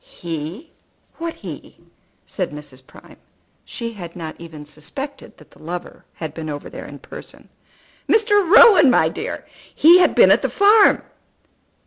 "He! What he?" said Mrs. Prime. She had not even suspected that the lover had been over there in person. "Mr. Rowan, my dear. He has been at the farm."